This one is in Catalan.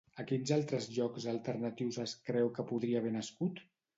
A quins altres llocs alternatius es creu que podria haver nascut?